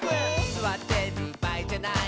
「すわってるばあいじゃない」